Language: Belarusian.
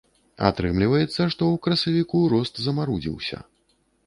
Атрымліваецца, што ў красавіку рост замарудзіўся.